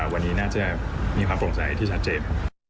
วันนี้น่าจะมีความโปร่งใสที่ชัดเจน